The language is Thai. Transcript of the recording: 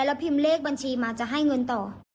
แล้วพิมพ์เลขบัญชีมาจะให้เงินต่อ